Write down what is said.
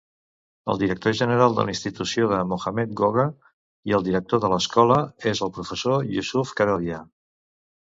El director general de la institució és Mohamed Goga i el director de l'escola és el professor Yusuf Karodia.